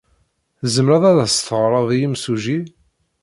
Tzemred ad as-teɣred i yemsujji?